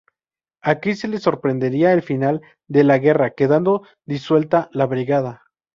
Aquí le sorprendería el final de la guerra, quedando disuelta la brigada.